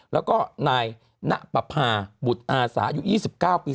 แล้วก็นายณปภาบุตรอาสาอายุ๒๙ปี